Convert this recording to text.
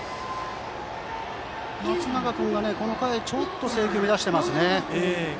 松永君がこの回ちょっと制球を乱していますね。